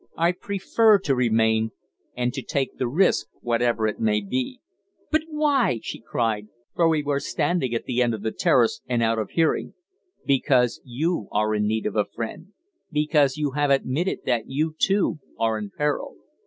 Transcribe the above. I prefer to remain and to take the risk, whatever it may be." "But why?" she cried, for we were standing at the end of the terrace, and out of hearing. "Because you are in need of a friend because you have admitted that you, too, are in peril.